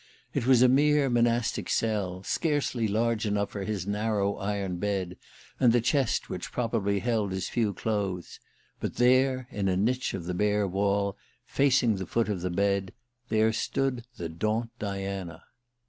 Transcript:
It was a mere monastic cell, scarcely large enough for his narrow iron bed and the chest which probably held his few clothes; but there, in a niche of the bare wall, facing the foot of the bed there stood the Daunt Diana.